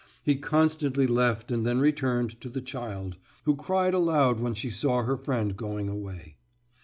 He constantly left and then returned to the child, who cried aloud when she saw her friend going away.